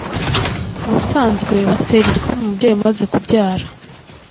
ubusanzwe basera igikoma umubyeyi umaze kubyara